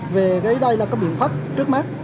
về cái đây là cái biện pháp trước mắt